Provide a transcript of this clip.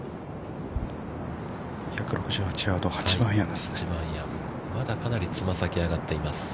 ◆１６８ヤードまだ、かなりつま先が上がっています。